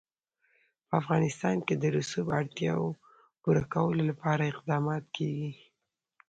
په افغانستان کې د رسوب د اړتیاوو پوره کولو لپاره اقدامات کېږي.